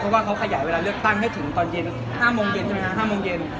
เพราะว่าเขาขยายเวลาเลือกตั้งให้ถึงตอนเย็น๕โมงเย็น